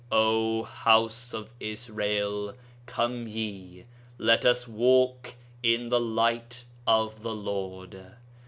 'O house of Israel, come ye, let us walk in the light of the Lord.'